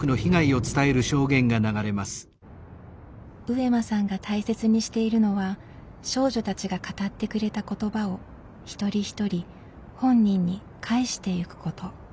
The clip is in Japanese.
上間さんが大切にしているのは少女たちが語ってくれた言葉をひとりひとり本人に「還して」ゆくこと。